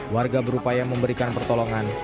warga berupaya memberikan pertolongan